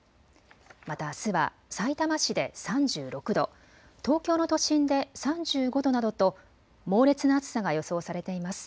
またあすはさいたま市で３６度、東京の都心で３５度などと猛烈な暑さが予想されています。